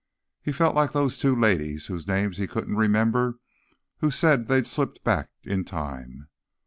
He felt like those two ladies, whose names he couldn't remember, who said they'd slipped back in time.